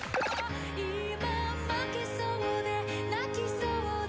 「今負けそうで泣きそうで」